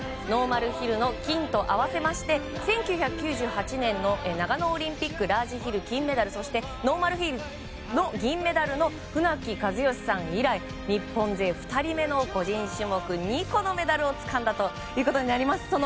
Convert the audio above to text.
ノーマルヒルの金と合わせまして１９９８年の長野オリンピックラージヒル金メダルそしてノーマルヒルの銀メダルの船木和喜さん以来日本勢２人目の個人種目２個のメダルをつかんだということになります。